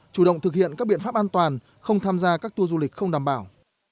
chủ động thực hiện các biện pháp an toàn không tham gia các tour du lịch không đảm bảo